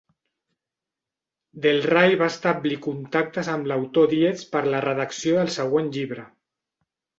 Del Ray va establir contactes amb a l'autor Dietz per la redacció del següent llibre.